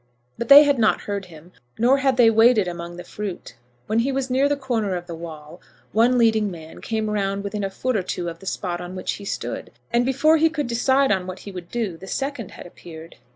But they had not heard him, nor had they waited among the fruit. When he was near the corner of the wall, one leading man came round within a foot or two of the spot on which he stood; and, before he could decide on what he would do, the second had appeared.